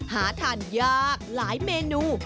หาทานยากหลายเมนู